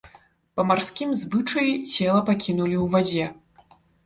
Па марскім звычаі цела пакінулі ў вадзе.